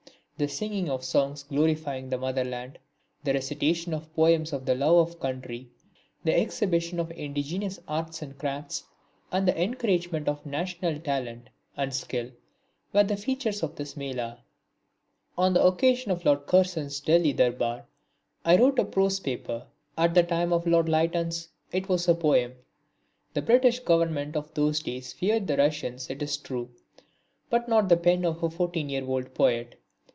The singing of songs glorifying the motherland, the recitation of poems of the love of country, the exhibition of indigenous arts and crafts and the encouragement of national talent and skill were the features of this Mela. On the occasion of Lord Curzon's Delhi durbar I wrote a prose paper at the time of Lord Lytton's it was a poem. The British Government of those days feared the Russians it is true, but not the pen of a 14 year old poet.